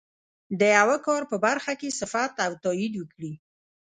د یوه کار په برخه کې صفت او تایید وکړي.